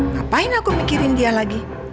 ngapain aku mikirin dia lagi